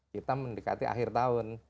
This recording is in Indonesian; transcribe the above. kita mendekati akhir tahun